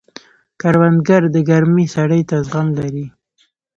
کروندګر د ګرمۍ سړې ته زغم لري